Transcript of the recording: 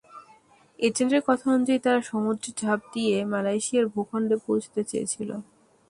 এজেন্টদের কথা অনুযায়ী তারা সমুদ্রে ঝাঁপ দিয়ে মালয়েশিয়ার ভূখণ্ডে পৌঁছাতে চেয়েছিল।